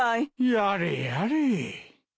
やれやれ。